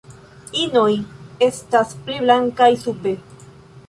Inoj estas pli blankaj sube.